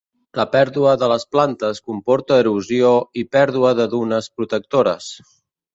La pèrdua de les plantes comporta erosió i pèrdua de dunes protectores.